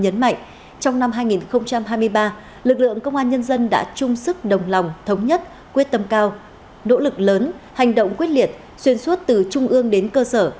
nhấn mạnh trong năm hai nghìn hai mươi ba lực lượng công an nhân dân đã chung sức đồng lòng thống nhất quyết tâm cao nỗ lực lớn hành động quyết liệt xuyên suốt từ trung ương đến cơ sở